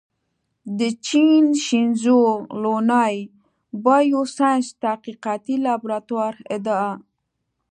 د چین شینزو لونوي بایوساینس تحقیقاتي لابراتوار ادعا